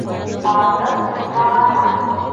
Аҙып-туҙмағанһың.